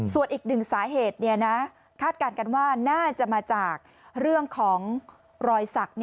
ส่วนอีกหนึ่งสาเหตุคาดการณ์กันว่าน่าจะมาจากเรื่องของรอยสัก